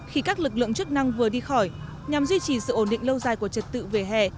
khi các lực lượng chức năng vừa đi khỏi nhằm duy trì sự ổn định lâu dài của trật tự về hè